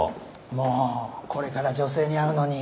もうこれから女性に会うのに